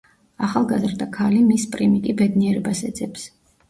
ახალგაზრდა ქალი მის პრიმი კი ბედნიერებას ეძებს.